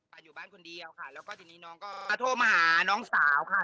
อยู่บ้านคนเดียวค่ะแล้วก็ทีนี้น้องก็โทรมาหาน้องสาวค่ะ